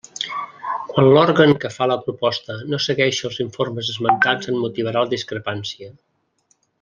Quan l'òrgan que fa la proposta no segueixi els informes esmentats en motivarà la discrepància.